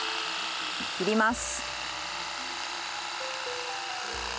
切ります。